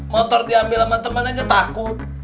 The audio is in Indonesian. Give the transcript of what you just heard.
motor diambil sama teman aja takut